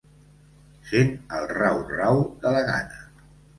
Sent el rau-rau de la gana.